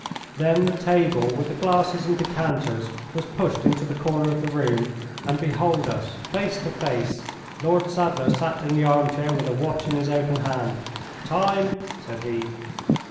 Then the table, with the glasses and decanters, was pushed into the corner of the room, and behold us; face to face! Lord Sadler sat in the arm chair with a watch in his open hand. "Time!" said he.